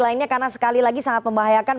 lainnya karena sekali lagi sangat membahayakan